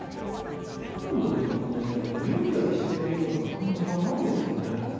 ほとんど、でも泳いだりしているような感じはないですよね。